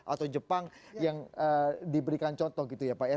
atau jepang yang diberikan contoh gitu ya pak ya